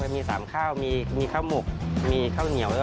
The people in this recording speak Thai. มี๓ข้าวมีข้าวหมกมีข้าวเหนียว